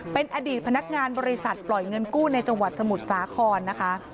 เป็นอดีตพนักงานบริษัทปล่อยเงินกู้ในจังหวัดสมุทรสาครนะคะ